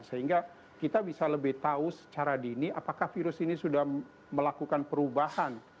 sehingga kita bisa lebih tahu secara dini apakah virus ini sudah melakukan perubahan